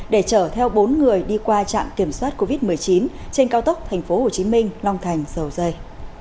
để chở theo bốn người đi qua trạm kiểm soát covid một mươi chín trên cao tốc tp hcm long thành dầu dây